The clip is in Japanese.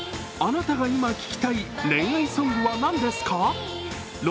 あなたが今聴きたい恋愛ソングは何ですか？